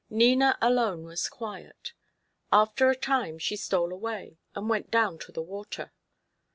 Nina alone was quiet. After a time she stole away, and went down to the water.